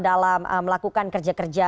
dalam melakukan kerja kerja